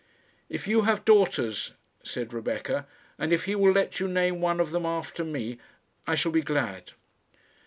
"If you have daughters," said Rebecca, "and if he will let you name one of them after me, I shall be glad."